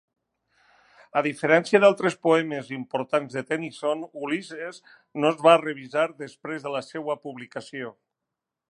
A diferència d'altres poemes importants de Tennyson, "Ulysses" no es va revisar després de la seva publicació.